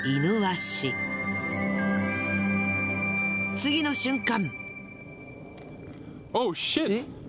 次の瞬間。